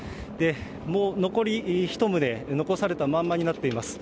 もう残り１棟、残されたまんまになっています